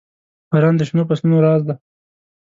• باران د شنو فصلونو راز دی.